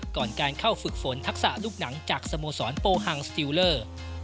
ก่อนการเข้าฝึกฝนทักษะลูกหนังจากสโมสรโปฮังสติลเลอร์